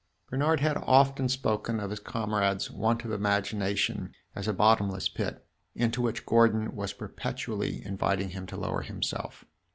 Bernard had often spoken of his comrade's want of imagination as a bottomless pit, into which Gordon was perpetually inviting him to lower himself.